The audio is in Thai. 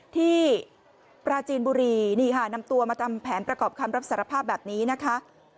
ปราจีนบุรีนี่ค่ะนำตัวมาทำแผนประกอบคำรับสารภาพแบบนี้นะคะ